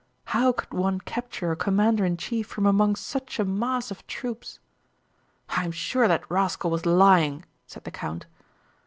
How could one capture a commander in chief from among such a mass of troops! "I am sure that rascal was lying," said the count.